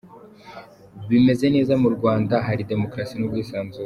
bimeze neza mu Rwanda, hari demokarasi n’ubwisanzure.